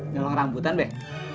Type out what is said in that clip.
nyolong rambutan bek